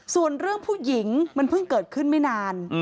ส่วนเรื่องผู้หญิงมันเพิ่งเกิดขึ้นไม่นาน